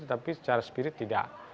tapi secara spirit tidak